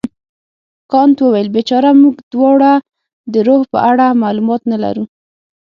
کانت وویل بیچاره موږ دواړه د روح په اړه معلومات نه لرو.